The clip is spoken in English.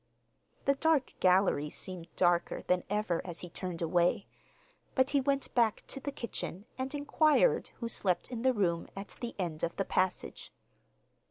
The dark gallery seemed darker than ever as he turned away, but he went back to the kitchen and inquired who slept in the room at the end of the passage.